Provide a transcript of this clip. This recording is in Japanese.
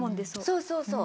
そうそうそう。